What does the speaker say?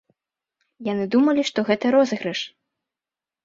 Яны думалі, што гэта розыгрыш.